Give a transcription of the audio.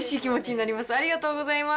ありがとうございます。